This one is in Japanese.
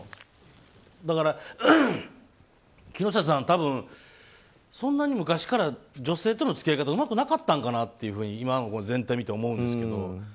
だから、木下さんは多分そんなに昔から女性との付き合い方がうまくなかったんかなって全体を見て思うんですけど。